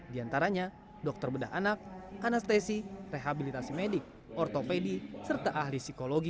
di antaranya dokter bedah anak anestesi rehabilitasi medik ortopedi serta ahli psikologi